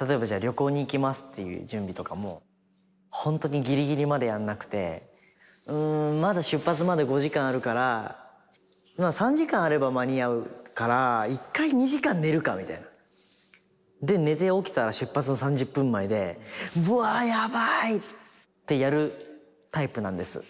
例えばじゃあ旅行に行きますっていう準備とかも本当にギリギリまでやんなくてまだ出発まで５時間あるから３時間あれば間に合うから１回２時間寝るかみたいな。で寝て起きたら出発の３０分前でうわやばいってやるタイプなんです。